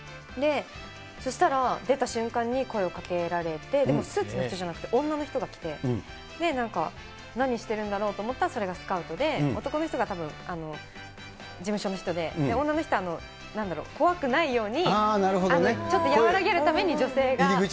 そしたら、出た瞬間に、声をかけられて、でもスーツの人じゃなくて、女の人が来て、で、なんか何してるんだろうと思ったら、それがスカウトで、男の人がたぶん事務所の人で、女の人は、なんだろう？怖くないように、ちょっと和らげるために女性が。